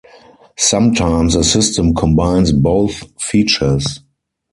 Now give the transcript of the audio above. Sometimes a system combines both features.